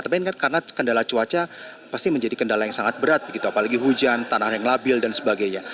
tapi ini kan karena kendala cuaca pasti menjadi kendala yang sangat berat begitu apalagi hujan tanah air yang labil dan sebagainya